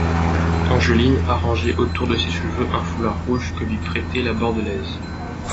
Angeline arrangeait autour de ses cheveux un foulard rouge que lui prêtait la Bordelaise.